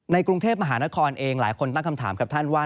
กรุงเทพมหานครเองหลายคนตั้งคำถามกับท่านว่า